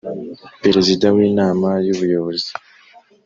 Perezida w Inama y ubuyobozi